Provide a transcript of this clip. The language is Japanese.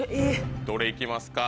どれ行きますか？